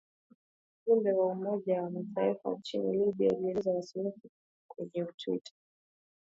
Ujumbe wa Umoja wa Mataifa nchini Libya ulielezea wasiwasi wake kwenye twita